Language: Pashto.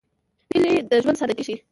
هیلۍ د ژوند سادګي ښيي